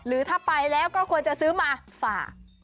หรือถ้าไปแล้วก็ควรจะซื้อมาฝาก